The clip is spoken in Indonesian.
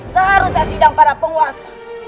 seharusnya sidang para penguasa